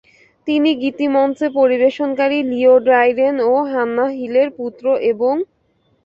তিনি গীতিমঞ্চে পরিবেশনাকারী লিও ড্রাইডেন ও হান্নাহ হিলের পুত্র, এবং